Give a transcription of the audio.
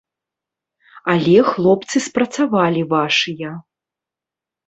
Але хлопцы спрацавалі вашыя.